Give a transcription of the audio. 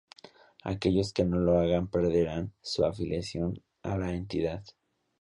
Aquellos que no lo hagan perderán su afiliación a la entidad.